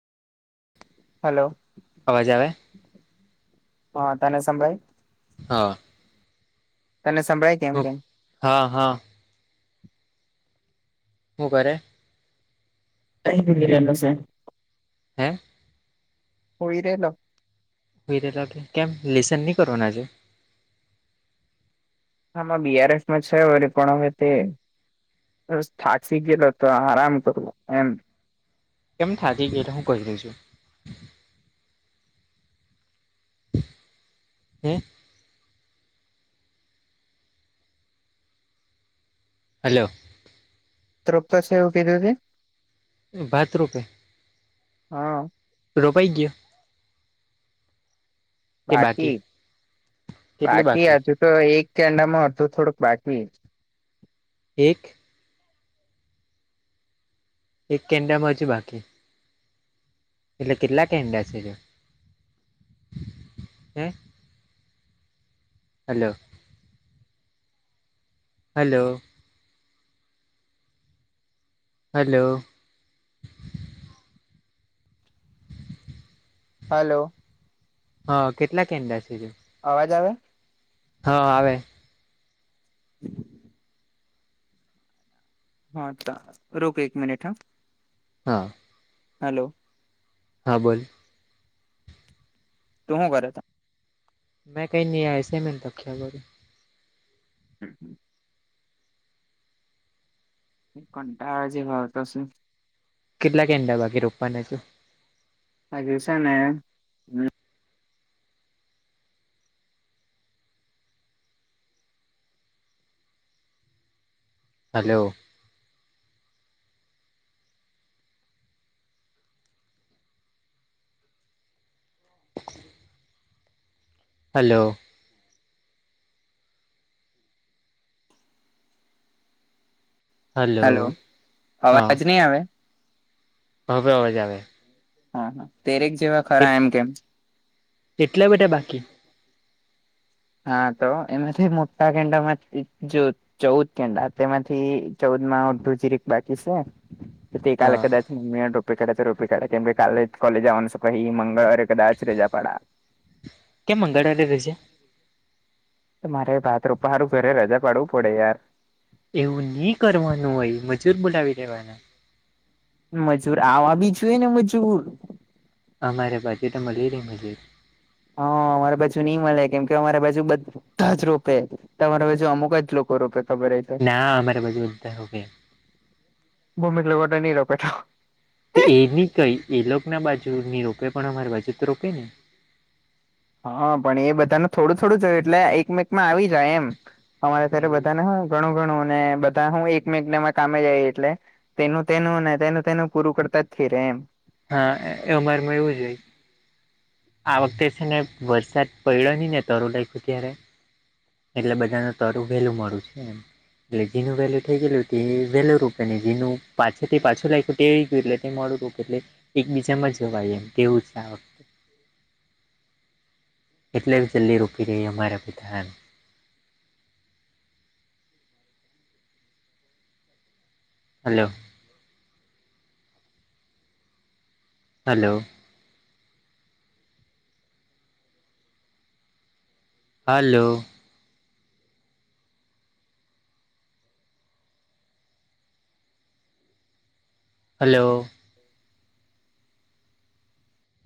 Hello. અવાજ આવે. હા તને સંભળાઈ. હા. તને સંભળાય. કેમ હ કેમ હા હા. ઉભોરે. કશે [unintelligible] હે અ. હોયરેલો. રટ કેમ લેસન નહીં કરવાનાજે. હામાં બીઆરએફ માં છે પણ હવે તે થઠાકસી ગેલા તો આરામ કરું એમ. કેમ થાર્ટી એટ હું ક દઈ છું. હમ. હલો. તૃપ્ છે એવું કીધું તે. ભાથ રૂપે. હા. રોપાઈ ગ્યો. બાકી બાકી હજુ તો એક કેાંડામાં અડધો થોડુંક બાકી. એક એક કેન્ડડામાંજી બાકી. એટલે કેટલા કેંડા છે હે. હલો. હલો. હલો. હલો. હ અ કેટલા કેન્ડ [unintelligible] અવાજ આવે. હા આવે. [inaudible] હ ત રૂક એક મિનિટ હ. હા. હલો. હા બોલ. તું હું કરે ત. મેં કઈ નહી આ અસાઇમેન્ટ લખેલું હમ્મ. કંટાળ જે હત [unintelligible] કેટલાક કેન્ડા બાકી રોકવાના હજુ. આરીયું સેને. હલો. હલો. હલો અવાજ ની આવે. હ હવે અવાજ આવે. હા હા તેરેક જેવા ખરા એમ કેમ. એટલા બધા બાકી. હા તો એમાંથી મોટા કેંડા માંથી જો ચૌદ કેન્ડા તેમાંથી ચૌદ માં ઓઢું જીરેક બાકી છે તે કાલે હા કદાચ મેતો રોપે કાઢે છે રોપ કાઢ્યા કેમ કે કાલે કોલેજ આવાનું છે પહી મંગળવાર એ કદાચ રજા પાડા કેમ મંગડવારે રજા. તો મારે ભાત રોપવા હારું ઘરે રજા પાડવું પડે યાર. એવું ની કરવાનું હોય મજૂર બોલાવી દેવાના. મજૂર આવા બી જુ એ ને મજૂર. અમારે ભજે તો મળી રેન બધી. હા અમારા બાજુ ની મલે કેમ કે અમારા બાજુ બધ તાજ રોપે તમારે બાજ અમુક જ લોકો રોપે. ખબર હોય તો ના અમારા બાજુ બધા રોપે. [unintelligible] એટલા બધા ની રોપે તો. તો એની કઈ એલોક ના બાજુ ની રોપે પણ અમારી બાજુ તો રોપે ને. હા પણ એ બધાનું થોડું થોડું જહોય એટલે એકમેક માં આવી જાય એમ અમારે ત્યારે એવું બધાને હ ઘણું ઘણું ને બધા હું એકમેક નામાં કામે જાય એટલે તેનું તેનું ન તેનું તેનું પૂરું કરતા જ ફિ રેમ હા એ અમારેમાં એવું જાય આ વખતે છે ને વરસાદ પડ્યો નહી ને તરું લખ્યું ત્યારે એટલે બધાનું તરું વેરૂ મરૂ છે એમ. એટલે જીનું વેલું થઈ ગયું એ વેલુ રૂપે ને જીનું પાછ થી પાછું નાયખ્યું તે આઈ ગ્યું એટલે મળું તો એટલે એકબીજામાં જવાય એમ તેવું આ વ એટલે બ જલ્દી રોકી રિએ અમારા બિધાન હલો. હલો. હલો. હલો.